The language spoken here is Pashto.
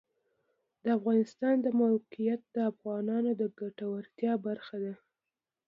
د افغانستان د موقعیت د افغانانو د ګټورتیا برخه ده.